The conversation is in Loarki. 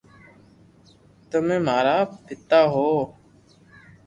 تمي مارا پيتا ھون